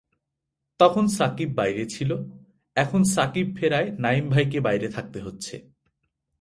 তখন সাকিব বাইরে ছিল, এখন সাকিব ফেরায় নাঈম ভাইকে বাইরে থাকতে হচ্ছে।